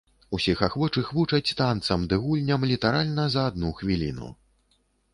Усіх ахвочых вучаць танцам ды гульням літаральна за адну хвіліну.